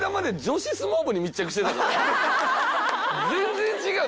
全然違う。